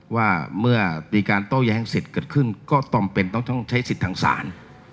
ว่าเมื่อมีการโต้แย้งเสร็จเกิดขึ้นก็จำเป็นต้องใช้สิทธิ์ทางศาล